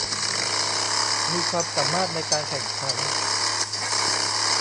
มีความสามารถในการแข่งขัน